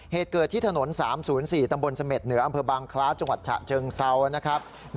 เหตุเกิดที่ถนน๓๐๔ตำบลเสม็ดเหนืออำเภอบางคล้าจังหวัดฉะเชิงเซานะครับ